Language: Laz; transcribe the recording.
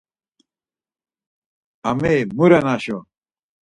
Ameri mu ren aşo?